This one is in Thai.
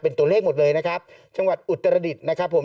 เป็นตัวเลขหมดเลยนะครับจังหวัดอุตรดิษฐ์นะครับผม